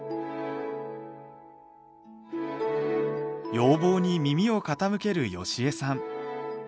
要望に耳を傾ける好江さん。